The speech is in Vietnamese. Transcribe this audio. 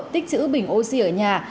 tích chữ bình oxy ở nhà